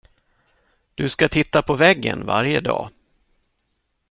Du ska titta på väggen varje dag.